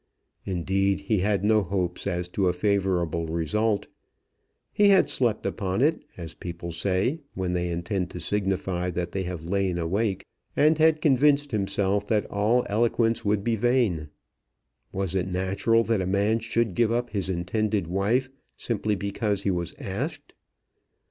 Indeed he had no hopes as to a favourable result. He had slept upon it, as people say when they intend to signify that they have lain awake, and had convinced himself that all eloquence would be vain. Was it natural that a man should give up his intended wife, simply because he was asked?